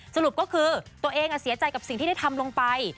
สรุปก็คือตัวเองเสียใจกับสิ่งที่ได้ทำลงไป